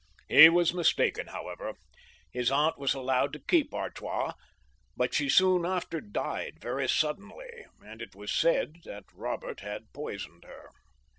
He was mistaken, however ; his aunt was allowed to keep Artois, but she soon after died very suddenly, and it was said that Eobert had poisoned her.